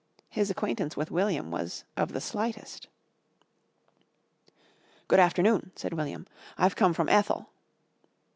His acquaintance with William was of the slightest. "Good afternoon," said William. "I've come from Ethel."